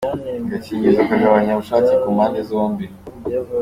Kuri we, ibi ntabwo ari icyaha kuko ari ukuri kandi kwemezwa n'abantu batandukanye.